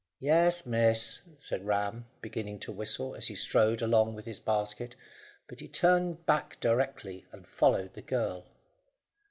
"Yes, miss," said Ram, beginning to whistle, as he strode along with his basket, but he turned back directly and followed the girl.